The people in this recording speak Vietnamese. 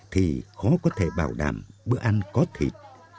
thì khó có thể bảo đảm bữa ăn có thịt